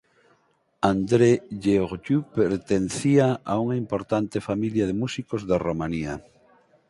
Andre Gheorghiu pertencía a unha importante familia de músicos de Romanía.